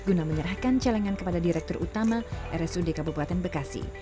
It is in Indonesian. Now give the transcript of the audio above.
guna menyerahkan celengan kepada direktur utama rsud kabupaten bekasi